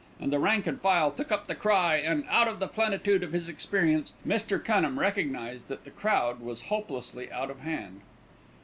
and the rank and file took up the cry and, out of the plenitude of his experience, Mr. Cunham recognised that the crowd was hopelessly out of hand.